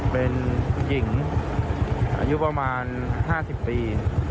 เป็นหญิงอายุประมาณ๕๐ปี